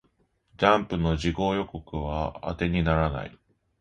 ジャンプの次号予告は当てにならない